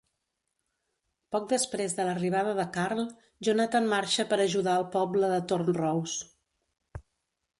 Poc després de l'arribada de Karl, Jonatan marxa per ajudar el poble de Thorn Rose.